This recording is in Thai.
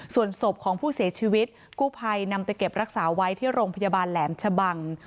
ส่วนศพของผู้เสียชีวิตกู้ภัยนำไปเก็บรักษาไว้ที่โรงพยาบาลแหลมชะบัง